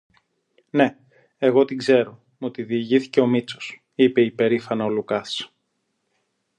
Ναι, εγώ την ξέρω, μου τη διηγήθηκε ο Μήτσος, είπε υπερήφανα ο Λουκάς.